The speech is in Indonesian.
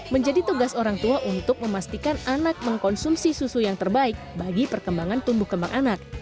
menjadi tugas orang tua untuk memastikan anak mengkonsumsi susu yang terbaik bagi perkembangan tumbuh kembang anak